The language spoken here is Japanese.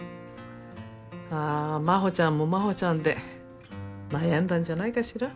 まあ真帆ちゃんも真帆ちゃんで悩んだんじゃないかしら。